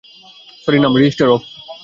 Sorry ma'am, register of.